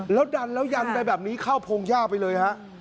แล้วยันไปแบบนี้คร่าวโพงย่าไปเลย